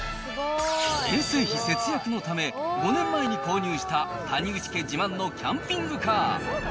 遠征費節約のため、５年前に購入した谷口家自慢のキャンピングカー。